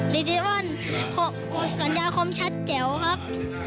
ดิจิตัลสัญญาคมชัดเจ๋วครับ